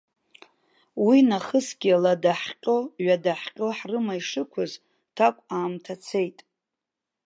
Уинахысгьы, лада ҳҟьо, ҩада ҳҟьо ҳрыма ишықәыз, такә аамҭа цеит.